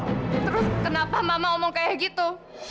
terus kenapa mama omong kayak gitu